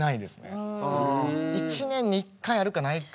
１年に１回あるかないか。